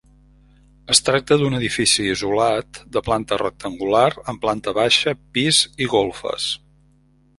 Es tracta d'un edifici isolat de planta rectangular amb planta baixa, pis i golfes.